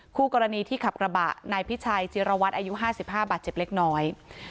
คู่กรณีที่ขับกระบะนายพิชัยจิรวัตรอายุ๕๕บาดเจ็บเล็กน้อย